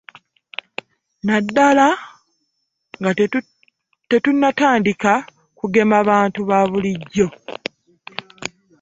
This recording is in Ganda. Naddala nga tetunnatandika kugema bantu ba bulijjo